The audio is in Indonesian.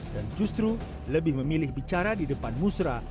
dan justru lebih memilih bicara di depan musrah